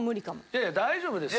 いやいや大丈夫ですよ。